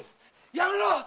やめろっ！